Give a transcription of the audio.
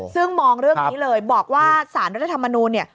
ซึ่งมองเรื่องนี้เลยบอกว่าสารรัฐธรรมนูลเนี่ย